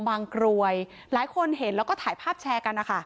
กรวยหลายคนเห็นแล้วก็ถ่ายภาพแชร์กันนะคะ